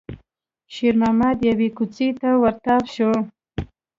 شېرمحمد يوې کوڅې ته ور تاو شو.